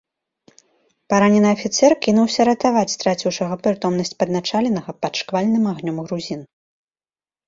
Паранены афіцэр кінуўся ратаваць страціўшага прытомнасць падначаленага пад шквальным агнём грузін.